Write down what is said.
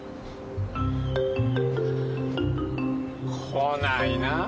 来ないなぁ。